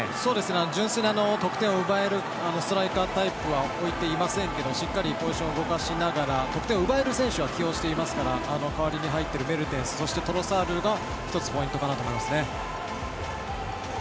純粋に得点を奪えるストライカータイプは置いていませんけどしっかりポジションを動かしながら得点を奪える選手を起用していますから代わりに入ってるメルテンスそしてトロサールがポイントかなと思いますね。